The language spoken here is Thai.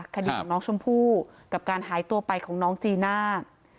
คดีของน้องชมพู่กับการหายตัวไปของน้องจีน่า